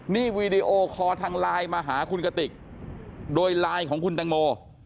นี่วีดีโอคอร์ทางไลน์มาหาคุณกติกโดยไลน์ของคุณตังโม